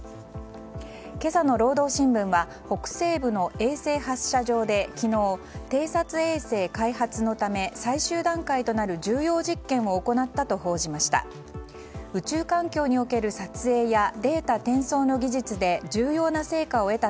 今朝の労働新聞は北西部の衛星発射場で昨日偵察衛星開発のため最終段階となる重要実験を行ったと報じました。